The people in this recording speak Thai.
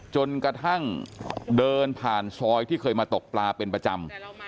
จนกระทั่งเดินผ่านซอยที่เคยมาตกปลาเป็นประจำ